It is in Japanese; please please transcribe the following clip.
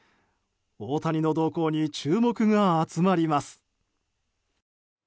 大谷の動向に注目が集まります。